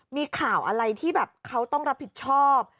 มีข่าวอะไรที่แบบเขาต้องรับผิดชอบ